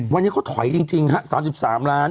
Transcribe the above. วันนี้เขาถอยจริงฮะ๓๓ล้าน